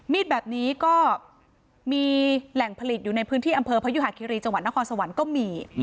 มีดแบบนี้ก็มีแหล่งผลิตอยู่ในพื้นที่อำเภอพยุหาคิรีจังหวัดนครสวรรค์ก็มี